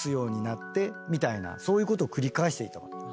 そういうことを繰り返していた。